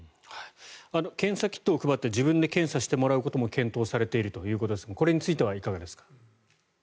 検査キットを配って自分で検査してもらうことも検討されているということですがこれについてはいかがですか？